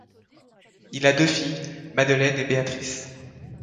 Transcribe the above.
Il a deux filles, Madeleine et Béatrice.